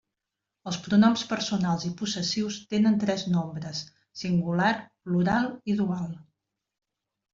Els pronoms personals i possessius tenen tres nombres -singular, plural i dual-.